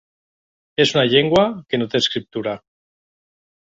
És una llengua que no té escriptura.